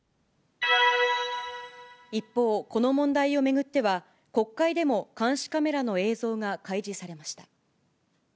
一方、この問題を巡っては、国会でも監視カメラの映像が開示されました。